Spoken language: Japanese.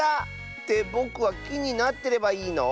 ってぼくはきになってればいいの？